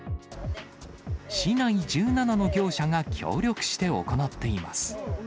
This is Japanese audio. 市内１７の業者が協力して行っています。